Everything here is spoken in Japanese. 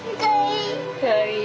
かわいい。